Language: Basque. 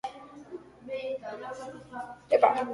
Nahasmendu hori psikologikoa, fisikoa edo intelektuala da.